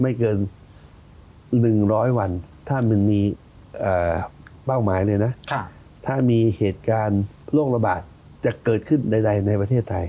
อีกหน่อยไม่เกิน๑๐๐วันถ้ามีเหตุการณ์โรคระบาดจะเกิดขึ้นใดในประเทศไทย